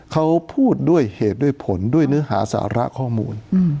เขาพูดด้วยเหตุด้วยผลด้วยเนื้อหาสาระข้อมูล